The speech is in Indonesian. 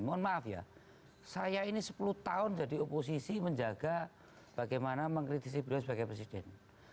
mohon maaf ya saya ini sepuluh tahun jadi oposisi menjaga bagaimana mengkritisi beliau sebagai presiden